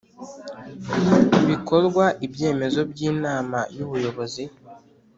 bikorwa ibyemezo by Inama y Ubuyobozi